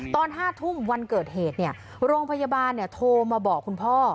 ตอน๕ทุ่มวันเกิดเหตุโรงพยาบาลโทรมาบอกคุณพ่อ